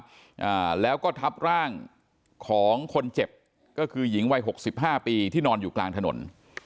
อ่าแล้วก็ทับร่างของคนเจ็บก็คือหญิงวัยหกสิบห้าปีที่นอนอยู่กลางถนน